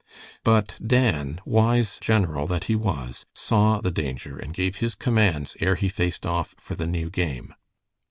But Dan, wise general that he was, saw the danger, and gave his commands ere he faced off for the new game.